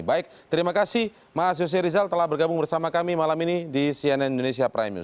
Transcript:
baik terima kasih mas yose rizal telah bergabung bersama kami malam ini di cnn indonesia prime news